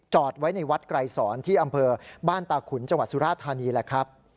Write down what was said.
ไว้ในวัดไกรศรที่อำเภอบ้านตาขุนจังหวัดสุราธานีแหละครับ